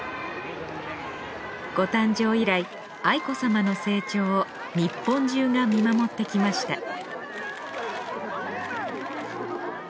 ご誕生以来愛子さまの成長を日本中が見守ってきました